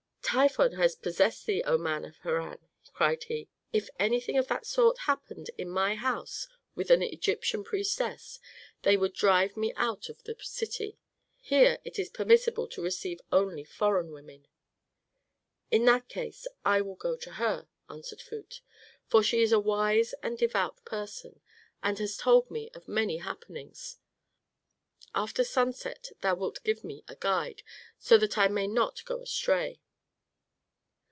"Typhon has possessed thee, O man of Harran!" cried he. "If anything of that sort happened in my house with an Egyptian priestess, they would drive me out of the city. Here it is permissible to receive only foreign women." "In that case I will go to her," answered Phut, "for she is a wise and devout person, and has told me of many happenings. After sunset thou wilt give me a guide, so that I may not go astray."